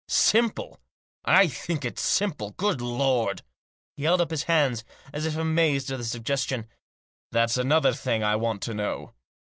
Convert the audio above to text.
" Simple ! I think it simple ! Good Lord !" He held up his hands, as if amazed at the suggestion. " There's another thing I want to know.